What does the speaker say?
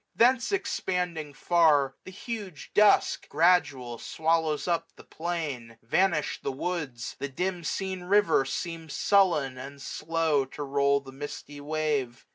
Thence expanding far, 715 The huge dusk, gradual, swallows up the plain : Vanish the woods ; the dim seen river seems Sullen, and slow, to roll the misty wave.